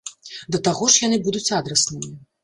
Да таго ж яны будуць адраснымі.